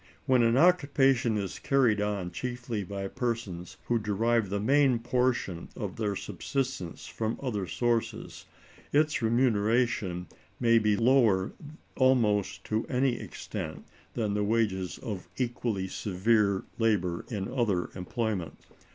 When an occupation is carried on chiefly by persons who derive the main portion of their subsistence from other sources, its remuneration may be lower almost to any extent than the wages of equally severe labor in other employments.